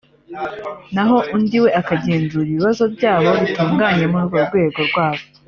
naho undi we akagenzura ibibazo byaza bitunguranye muri urwo rugendo rwabo